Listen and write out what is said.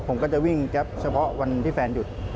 ผมก็จะวิ่งแก๊ปเฉพาะวันที่แฟนหยุด